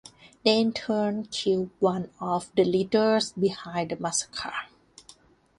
They in turn killed one of the leaders behind the massacre.